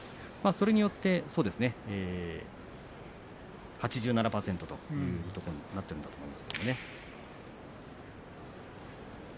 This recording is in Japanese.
それによって８７％ということになってるんだと思います。